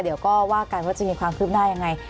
เดี๋ยวก็ว่ากันว่าจะมีความคืบหน้ายังไง